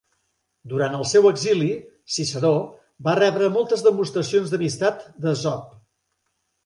Durant el seu exili, Ciceró va rebre moltes demostracions d'amistat d'Esop.